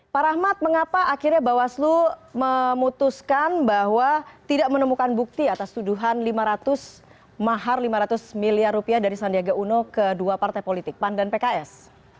pak rahmat mengapa akhirnya bawaslu memutuskan bahwa tidak menemukan bukti atas tuduhan mahar lima ratus miliar rupiah dari sandiaga uno ke dua partai politik pan dan pks